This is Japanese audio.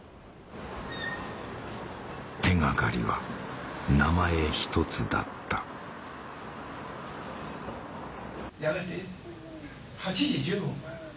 手掛かりは名前ひとつだったやがて８時１５分。